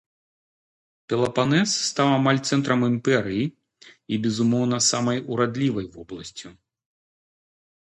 Пелапанес стаў амаль цэнтрам імперыі і, безумоўна, самай урадлівай вобласцю.